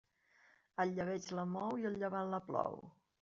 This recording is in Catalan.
El llebeig la mou i el llevant la plou.